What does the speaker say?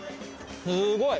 すごい！